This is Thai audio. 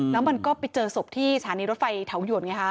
แล้วมันก็ไปเจอศพที่สถานีรถไฟเถาหยวนไงฮะ